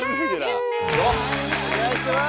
お願いします！